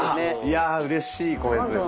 いやうれしいコメントですね。